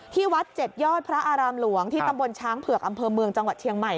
ที่วัด๗ยอดพระอารามหลวงที่ตำบลช้างเผือกอำเภอเมืองจังหวัดเชียงใหม่